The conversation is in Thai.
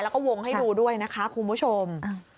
แล้วก็วงให้ดูด้วยนะคะคุณผู้ชม